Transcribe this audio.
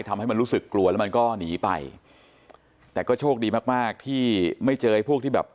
ทำให้มันรู้สึกกลัวแล้วมันก็หนีไปแต่ก็โชคดีมากมากที่ไม่เจอไอ้พวกที่แบบ